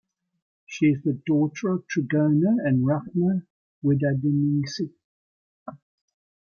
She is the daughter of Trenggono and Rachma Widadiningsih.